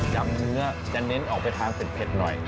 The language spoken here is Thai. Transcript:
ำเนื้อจะเน้นออกไปทานเผ็ดหน่อย